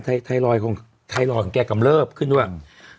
ไทรอยด์ของแก่กำเลิฟขึ้นด้วย